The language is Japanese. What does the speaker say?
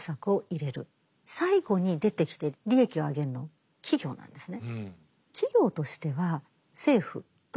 最後に出てきて利益を上げるのは企業なんですね。